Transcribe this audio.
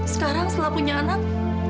sekarang setelah punya anak